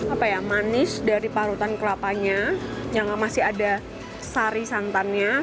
apa ya manis dari parutan kelapanya yang masih ada sari santannya